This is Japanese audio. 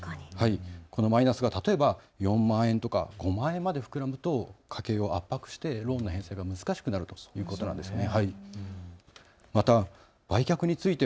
このマイナスが例えば４万円とか５万円まで膨らむと家計を圧迫してローン返済が難しくなるということなんですね。